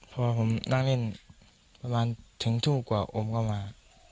พอผมนั่งเล่นประมาณถึงทุ่มกว่าอมก็มา